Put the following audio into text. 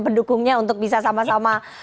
pendukungnya untuk bisa sama sama